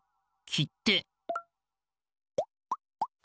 きって？